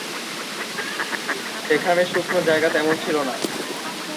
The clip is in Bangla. সেখানে শুকনো জায়গা তেমন ছিল না।